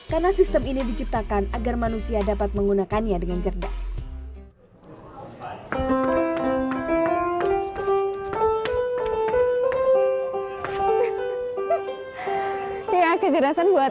karena sistem ini diciptakan agar manusia dapat menggunakannya dengan cerdas